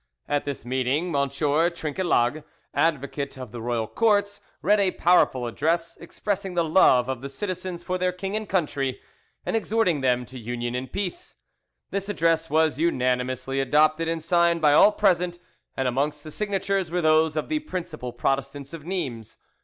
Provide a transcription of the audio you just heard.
At this meeting, M. Trinquelague, advocate of the Royal Courts, read a powerful address, expressing the love, of the citizens for their king and country, and exhorting them to union and peace. This address was unanimously adopted and signed by all present, and amongst the signatures were those of the principal Protestants of Nimes.